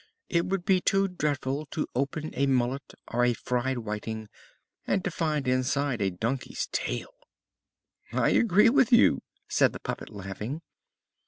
It would be too dreadful to open a mullet, or a fried whiting, and to find inside a donkey's tail!" "I agree with you," said the puppet, laughing.